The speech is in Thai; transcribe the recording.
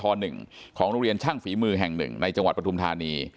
๑ของโรงเรียนช่างฝีมือแห่ง๑ในจังหวัดปฐุมธานี